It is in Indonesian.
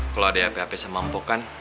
kalo ada yang hape hape sama mpok kan